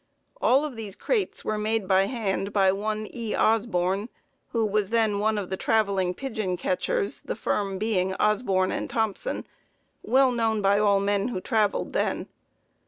All of these crates were made by hand by one E. Osborn, who was then one of the traveling pigeon catchers, the firm being Osborn & Thompson, well known by all men who traveled then.